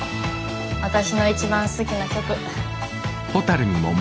わたしの一番好きな曲。